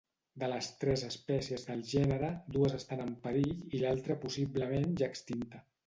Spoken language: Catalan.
De les tres espècies del gènere, dues estan en perill i l'altra possiblement ja extinta.